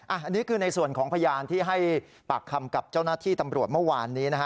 อันนี้คือในส่วนของพยานที่ให้ปากคำกับเจ้าหน้าที่ตำรวจเมื่อวานนี้นะฮะ